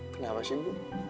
kenapa sih bu